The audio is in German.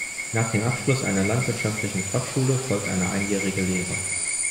Nach dem Abschluss einer landwirtschaftlichen Fachschule folgt eine einjährige Lehre.